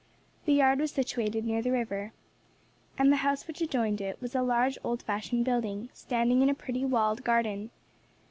The yard was situated near the river, and the house which adjoined it was a large old fashioned building, standing in a pretty, walled garden.